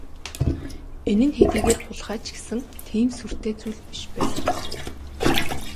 Энэ нь хэдийгээр хулгай ч гэсэн тийм сүртэй зүйл биш байлаа.